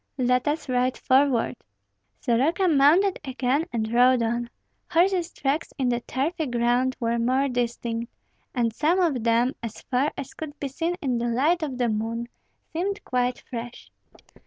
"Let us ride forward!" Soroka mounted again and rode on. Horses' tracks in the turfy ground were more distinct; and some of them, as far as could be seen in the light of the moon, seemed quite fresh.